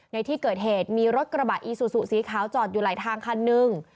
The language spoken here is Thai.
ในที่เกิดเหตุมีรถกระบะอีซูซูสีขาวจอดอยู่หลายทางคันหนึ่ง